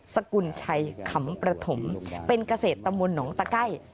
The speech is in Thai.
สกุลชัยขำประถมเป็นเกษตรตำบลหนองตะไก้